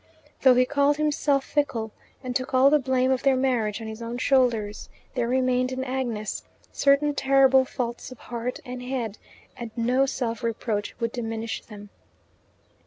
Though he called himself fickle and took all the blame of their marriage on his own shoulders, there remained in Agnes certain terrible faults of heart and head, and no self reproach would diminish them.